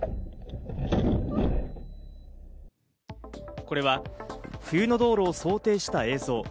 これは、冬の道路を想定した映像。